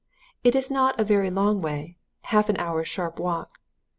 It is not a very long way half an hour's sharp walk.